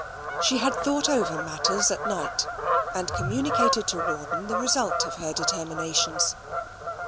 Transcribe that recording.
She had thought over matters at night, and communicated to Rawdon the result of her determinations.